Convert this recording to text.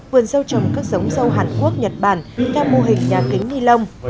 vườn dâu trồng các giống dâu hàn quốc nhật bản theo mô hình nhà kính ni lông